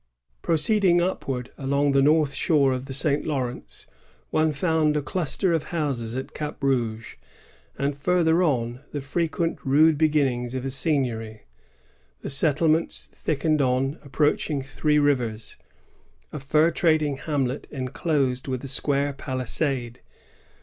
^ Proceeding upward along the north shore of the St Lawrence, one found a cluster of houses at Cap Rouge, and, farther on, the frequent rude begin nings of a seigniory. The settlements thickened on approaching Three Rivers, a fur trading hamlet enclosed with a square palisade.